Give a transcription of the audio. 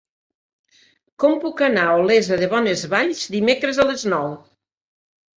Com puc anar a Olesa de Bonesvalls dimecres a les nou?